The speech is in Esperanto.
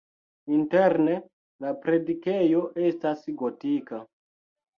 Interne la predikejo estas gotika.